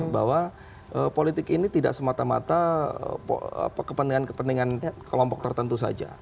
bahwa politik ini tidak semata mata kepentingan kepentingan kelompok tertentu saja